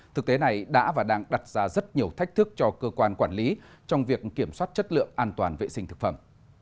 thực tế này đã và đang đặt ra rất nhiều thách thức cho cơ quan quản lý trong việc kiểm soát chất lượng an toàn vệ sinh thực phẩm